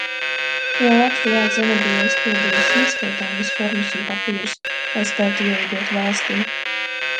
Jau Latvijā Zane bija aizpildījusi neskaitāmas formas un papīrus, lai spētu ielidot valstī.